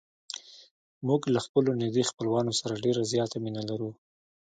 موږ له خپلو نږدې خپلوانو سره ډېره زیاته مینه لرو.